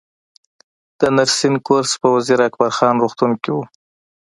د نرسنګ کورس په وزیر اکبر خان روغتون کې و